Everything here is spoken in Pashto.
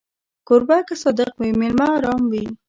کوربه که صادق وي، مېلمه ارام وي.